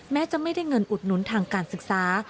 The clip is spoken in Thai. แม้จะไม่ได้เงินอุดหนุนทางการศึกษา